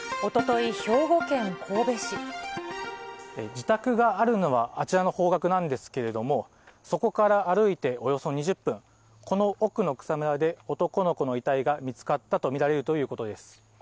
自宅があるのはあちらの方角なんですけれども、そこから歩いておよそ２０分、この奥の草むらで、男の子の遺体が見つかったと見られるということです。